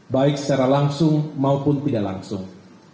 baik secara langsung maupun tidak langsung